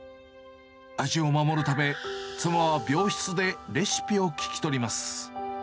味を守るため、妻は病室でレシピを聞き取ります。